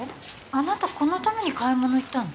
あなたこのために買い物行ったの？